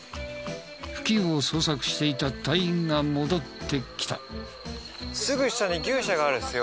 付近を捜索していた隊員が戻ってきた。